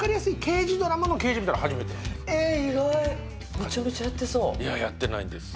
めちゃめちゃやってそういややってないんです